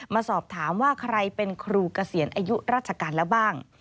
มาสอบถามว่าใครเป็นครูเกษียณอายุราชการแล้วบ้าง